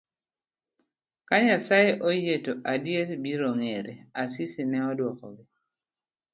ka Nyasaye oyie to adier biro ng'ere, Asisi ne odwokogi.